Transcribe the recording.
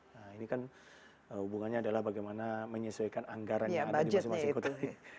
nah ini kan hubungannya adalah bagaimana menyesuaikan anggaran yang ada di masing masing kota